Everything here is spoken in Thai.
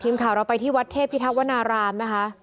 ทีมข่าวเราไปที่วัดเทพพิทักษ์วนารามนะคะ